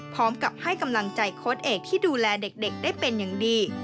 พร้อมกับให้กำลังใจโค้ดเอกที่ดูแลเด็กได้เป็นอย่างดี